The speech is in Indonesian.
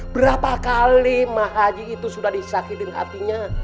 berapa kali mak haji itu sudah disakitiin hatinya